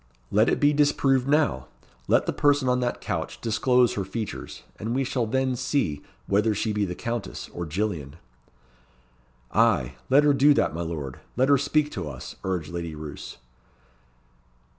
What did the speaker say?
"Let it be disproved now. Let the person on that couch disclose her features, and we shall then see whether she be the Countess or Gillian." "Ay, let her do that, my lord, let her speak to us," urged Lady Roos.